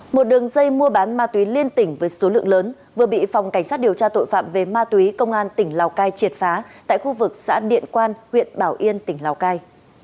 một đường dây mua bán ma túy liên tỉnh với số lượng lớn vừa bị phòng cảnh sát điều tra tội phạm về ma túy công an tỉnh lào cai triệt phá tại khu vực xã điện quan huyện bảo yên tỉnh lào cai